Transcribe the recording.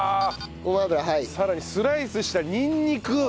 さらにスライスしたニンニク。